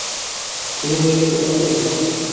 তুমি নিয়ে যেতে পারবে?